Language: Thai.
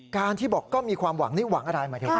การที่บอกก็มีความหวังวังอะไร